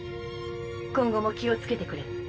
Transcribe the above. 今後も気を付けてくれ。